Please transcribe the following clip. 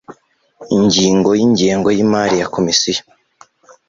Ingingo y’Ingengo y imari ya Komisiyo